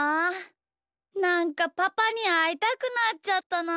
なんかパパにあいたくなっちゃったな。